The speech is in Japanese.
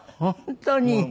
本当に。